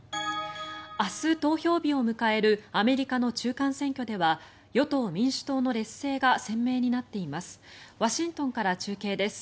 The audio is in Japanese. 明日、投票日を迎えるアメリカの中間選挙では与党・民主党の劣勢が鮮明になっています。